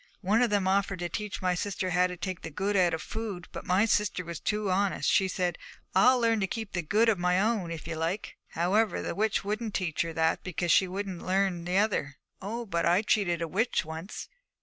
One of them offered to teach my sister how to take the good out of food, but my sister was too honest; she said, "I'll learn to keep the good of my own, if ye like." However, the witch wouldn't teach her that because she wouldn't learn the other. Oh, but I cheated a witch once.